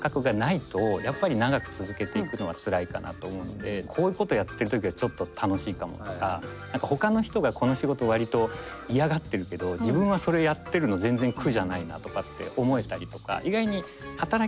ただこういうことやってる時はちょっと楽しいかもとか何かほかの人がこの仕事割と嫌がってるけど自分はそれやってるの全然苦じゃないなとかって思えたりとか。